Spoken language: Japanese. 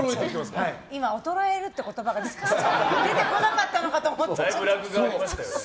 今、衰えるっていう言葉が出てこなかったのかと思った。